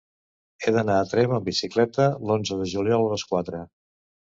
He d'anar a Tremp amb bicicleta l'onze de juliol a les quatre.